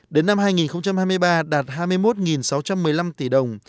đến năm hai nghìn hai mươi ba đạt hai mươi một sáu trăm một mươi năm tỷ đồng